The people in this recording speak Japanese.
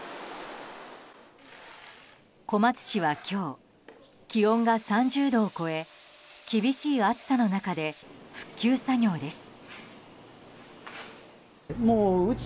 小松市は今日気温が３０度を超え厳しい暑さの中で復旧作業です。